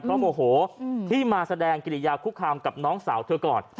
เพราะโมโหที่มาแสดงกิริยาคุกคามกับน้องสาวเธอก่อน